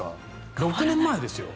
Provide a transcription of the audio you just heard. ６年前ですよ。